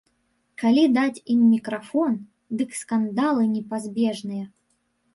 Калі даць ім мікрафон, дык скандалы непазбежныя.